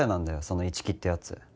その一木ってやつ。